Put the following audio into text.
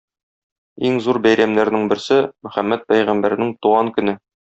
Иң зур бәйрәмнәрнең берсе - Мөхәммәд пәйгамбәрнең туган көне.